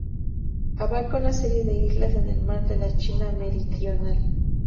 Abarca una serie de islas en el mar de la China Meridional.